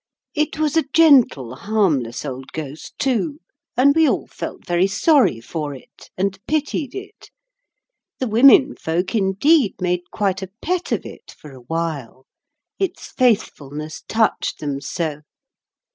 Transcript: It was a gentle, harmless, old ghost, too, and we all felt very sorry for it, and pitied it. The women folk, indeed, made quite a pet of it, for a while. Its faithfulness touched them so.